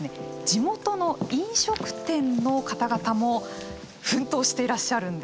地元の飲食店の方々も奮闘していらっしゃるんです。